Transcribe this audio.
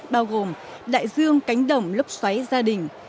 bao gồm đại dương cánh đồng lốc xoáy gia đình